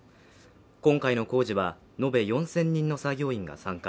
今回の工事は延べ４０００人の作業員が参加